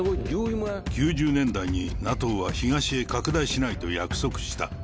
９０年代にＮＡＴＯは東へ拡大しないと約束した。